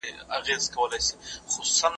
دا دوران دي مور هم دی تېر کړی لېونۍ